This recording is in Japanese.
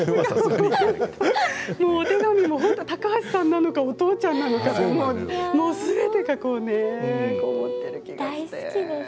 お手紙も高橋さんなのかお父ちゃんなのかすべてがこうねこもっている気がします。